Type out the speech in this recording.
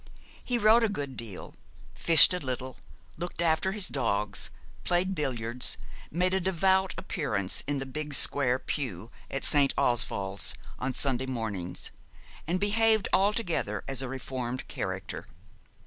He rode a good deal, fished a little, looked after his dogs, played billiards, made a devout appearance in the big square pew at St. Oswald's on Sunday mornings, and behaved altogether as a reformed character.